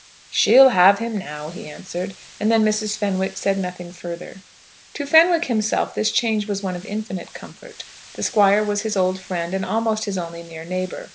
"She'll have him now," he answered, and then Mrs. Fenwick said nothing further. To Fenwick himself, this change was one of infinite comfort. The Squire was his old friend and almost his only near neighbour.